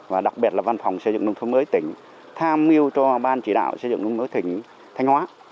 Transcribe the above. và đặc biệt là văn phòng xây dựng nông thôn mới tỉnh tham mưu cho ban chỉ đạo xây dựng nông mới tỉnh thanh hóa